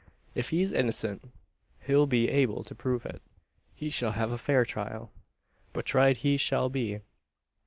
If he's innocent, he'll be able to prove it. He shall have a fair trial; but tried he shall be.